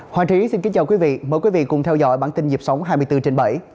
hoàng trí xin kính chào quý vị mời quý vị cùng theo dõi bản tin nhịp sống hai mươi bốn trên bảy